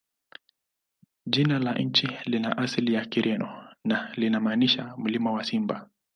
Jina la nchi lina asili ya Kireno na linamaanisha "Mlima wa Simba".